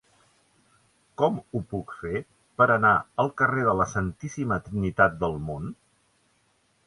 Com ho puc fer per anar al carrer de la Santíssima Trinitat del Mont?